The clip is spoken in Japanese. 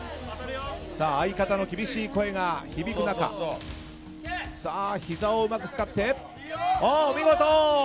相方の厳しい声が響く中ひざをうまく使って、お見事！